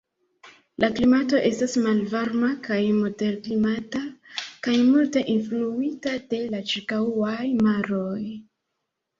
La klimato estas malvarma kaj moderklimata kaj multe influita de la ĉirkaŭaj maroj.